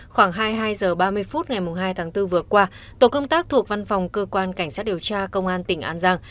khoảng hai mươi hai h ba mươi phút ngày hai tháng bốn vừa qua tổ công tác thuộc văn phòng cơ quan cảnh sát điều tra công an tỉnh an giang